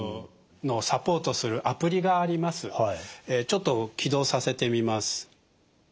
ちょっと起動させてみます。